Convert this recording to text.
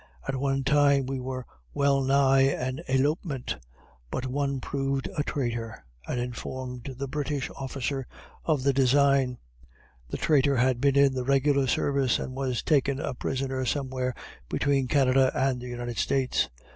At one time we were well nigh an elopement, but one proved a traitor, and informed the British officer of the design. The traitor had been in the regular service, and was taken a prisoner somewhere between Canada and the United States.